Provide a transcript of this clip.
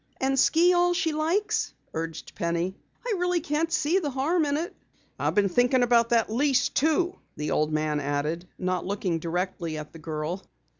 "And ski all she likes," urged Penny. "I really can't see the harm in it." "I been thinkin' about that lease, too," the old man added, not looking directly at the girl.